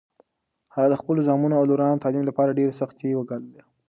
هغه د خپلو زامنو او لورانو د تعلیم لپاره ډېرې سختۍ وګاللې.